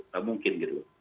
nggak mungkin gitu